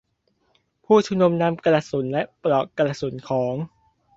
ผู้ชุมนุมนำกระสุนและปลอกกระสุนของ